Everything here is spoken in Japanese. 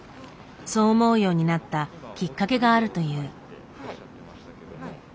そう思うようになったきっかけがあるという。